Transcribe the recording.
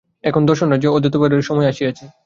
এখন দর্শনরাজ্যে অদ্বৈতবাদেরই সময় আসিয়াছে।